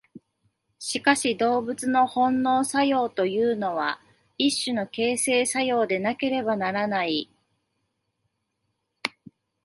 しかし動物の本能作用というのは一種の形成作用でなければならない。